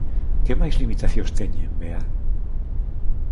Que máis limitacións teñen, Bea?